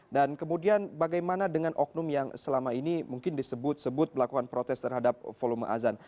dan kemudian bagaimana dengan oknum yang selama ini mungkin disebut sebut melakukan protes terhadap volume a